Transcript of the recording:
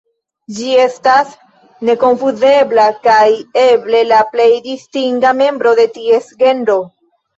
Ĝi estas nekonfuzebla kaj eble la plej distinga membro de ties genro.